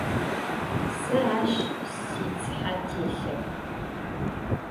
Se aş sitsıhe têlhep.